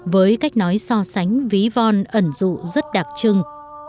với cách nói so sánh ví von ẩn dụ rất đặc trưng